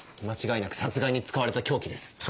間違いなく殺害に使われた凶器です。